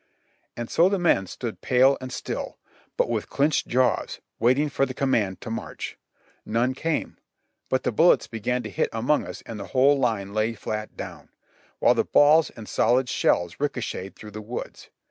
And so the men stood pale and still, but with clenched jaws, waiting for the command to march. None came ; but the bullets began to hit among us and the whole line lay flat down, while the balls and solid shells ricochetted through the woods.